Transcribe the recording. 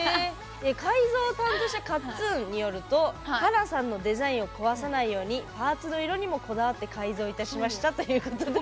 改造を担当したカッツンによると「華さんのデザインを壊さないようにパーツの色にもこだわって改造いたしました」ということで。